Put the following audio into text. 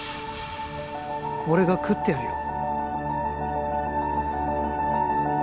俺が喰ってやるよ